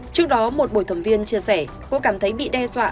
trước đó một bồi thẩm viên chia sẻ cô cảm thấy bị đe dọa